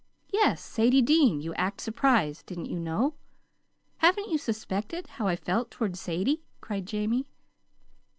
"Yes; Sadie Dean. You act surprised. Didn't you know? Haven't you suspected how I felt toward Sadie?" cried Jamie.